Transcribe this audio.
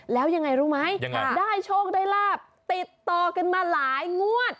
แล้วยังไงรู้ไหมได้โชคได้ลาบติดต่อกันมาหลายงวด